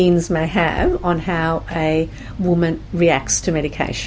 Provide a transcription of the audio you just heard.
untuk cara seorang wanita menolak medikasi